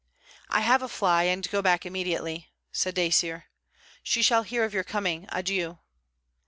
'I have a fly, and go back immediately,' said Dacier. 'She shall hear of your coming. Adieu.'